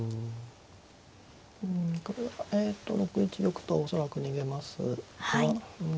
うんこれは６一玉と恐らく逃げますがうん